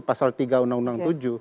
pasal tiga undang undang tujuh